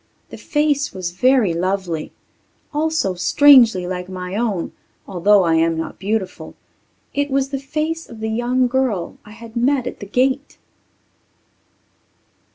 The face was very lovely also strangely like my own, although I am not beautiful. It was the face of the young girl I had met at the gate!